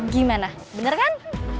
gimana bener kan